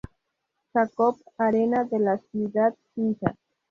Jakob-Arena de la ciudad suiza.